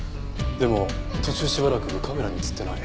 でも途中しばらくカメラに映ってない。